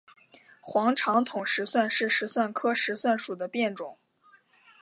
黄长筒石蒜是石蒜科石蒜属的变种。